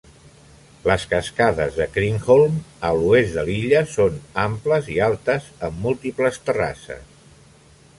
Les cascades de Kreenholm, a l'oest de l'illa, són amples i altes, amb múltiples terrasses.